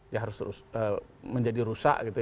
ya harus menjadi rusak gitu ya